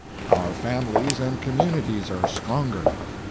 Our families and communities are stronger.